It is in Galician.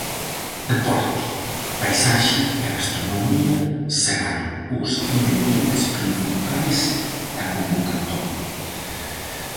Deporte, paisaxe e gastronomía serán os ingredientes principais da convocatoria.